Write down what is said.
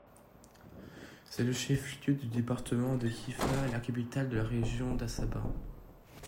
C'est le chef-lieu du département de Kiffa et la capitale de la région d'Assaba.